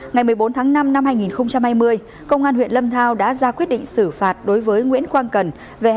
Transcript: ngày một mươi bốn tháng năm năm hai nghìn hai mươi công an huyện lâm thao đã ra quyết định xử phạt đối với nguyễn quang cần